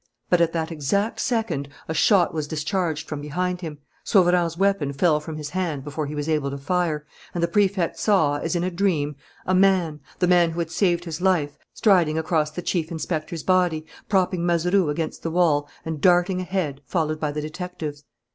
But, at that exact second, a shot was discharged from behind him, Sauverand's weapon fell from his hand before he was able to fire, and the Prefect saw, as in a dream, a man, the man who had saved his life, striding across the chief inspector's body, propping Mazeroux against the wall, and darting ahead, followed by the detectives.